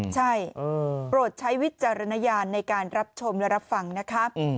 ใช่โปรดใช้วิจารณญาณในการรับชมและรับฟังนะคะ